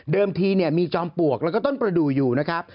ทีมีจอมปลวกแล้วก็ต้นประดูกอยู่นะครับ